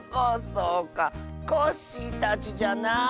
そうかコッシーたちじゃな。